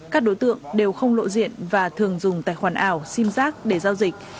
các đối tượng đều không lộ diện và thường dùng tài khoản ảo sim giác để giao dịch